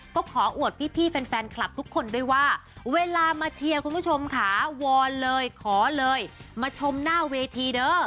ก็ขออวดพี่แฟนคลับทุกคนด้วยว่าเวลามาเชียร์คุณผู้ชมค่ะวอนเลยขอเลยมาชมหน้าเวทีเด้อ